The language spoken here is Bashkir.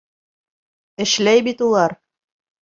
Эшләй бит улар.